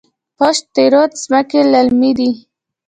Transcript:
پشت رود ځمکې للمي دي؟